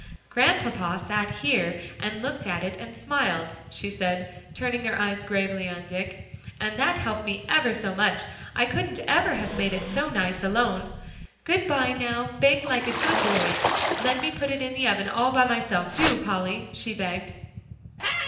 "Grandpapa sat here, and looked at it, and smiled," she said, turning her eyes gravely on Dick, "and that helped ever so much. I couldn't ever have made it so nice alone. Good by; now bake like a good boy. Let me put it in the oven all by myself, do, Polly," she begged.